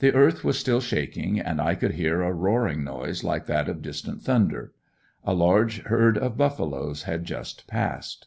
The earth was still shaking and I could hear a roaring noise like that of distant thunder. A large herd of buffaloes had just passed.